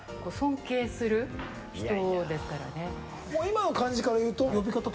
今の感じからいうと、呼び方